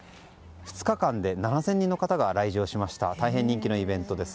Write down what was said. ２日間で７０００人の方が来場しました大変人気のイベントです。